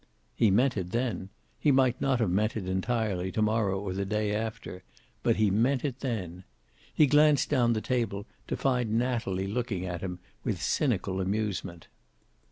He meant it then. He might not have meant it, entirely, to morrow or the day after. But he meant it then. He glanced down the table, to find Natalie looking at him with cynical amusement.